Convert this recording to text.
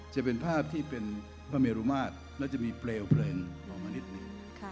จะเป็นภาพที่เป็นพระเมรุมาตรและจะมีเปลวเพลิงลงมานิดนึง